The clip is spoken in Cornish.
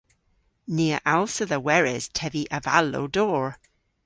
Ni a allsa dha weres tevi avallow-dor.